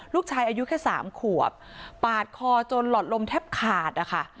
ลูกชายอายุแค่สามขวบปาดคอจนหลอดลมแทบขาดนะคะ